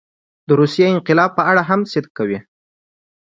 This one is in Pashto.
د روسیې انقلاب په اړه هم صدق کوي.